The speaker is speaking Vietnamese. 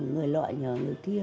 người loại nhờ người kia